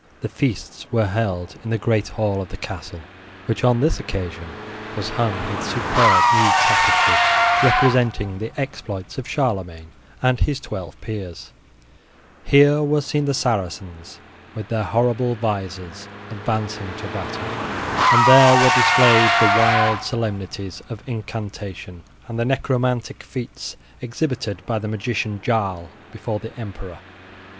The feasts were held in the great hall of the castle, which, on this occasion, was hung with superb new tapestry, representing the exploits of Charlemagne and his twelve peers; here, were seen the Saracens, with their horrible visors, advancing to battle; and there, were displayed the wild solemnities of incantation, and the necromantic feats, exhibited by the magician Jarl before the Emperor.